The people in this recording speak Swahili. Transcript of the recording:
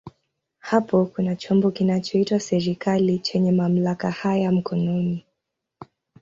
Hapo kuna chombo kinachoitwa serikali chenye mamlaka haya mkononi.